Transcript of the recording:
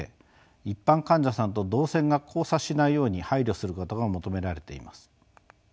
一般患者さんと動線が交差しないように配慮することが求められています。